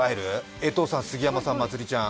江藤さん、杉山さん、まつりちゃん。